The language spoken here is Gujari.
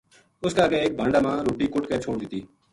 اس کے اَگے ایک بھانڈا ما روٹی کُٹ کے چھوڈ دِتی